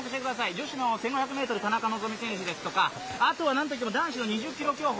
女子のほう１５００ｍ田中希実選手ですとかあとは何といっても男子２０ｋｍ競歩